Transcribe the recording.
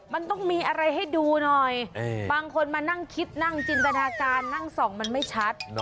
มันต้องมีอะไรให้ดูหน่อยบางคนมานั่งคิดนั่งจินตนาการนั่งส่องมันไม่ชัด